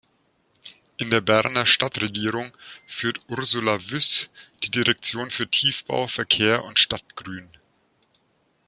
In der Berner Stadtregierung führt Ursula Wyss die Direktion für Tiefbau, Verkehr und Stadtgrün.